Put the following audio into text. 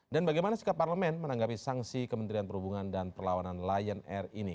dan bagaimana sikap parlemen menanggapi sanksi kementerian perhubungan dan perlawanan lion air ini